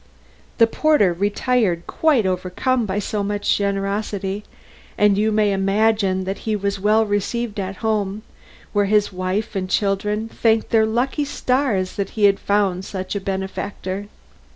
The porter retired quite overcome by so much generosity, and you may imagine that he was well received at home, where his wife and children thanked their lucky stars that he had found such a benefactor.